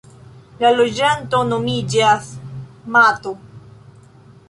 La loĝanto nomiĝas "mato".